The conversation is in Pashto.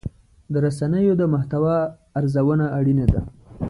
د رسنیو د محتوا ارزونه اړینه ده.